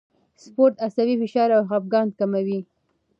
سپورت عصبي فشار او خپګان کموي.